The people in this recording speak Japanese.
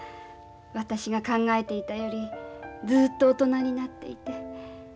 私が考えていたよりずっと大人になっていて。